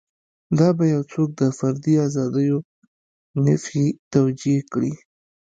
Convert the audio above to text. دا به یو څوک د فردي ازادیو نفي توجیه کړي.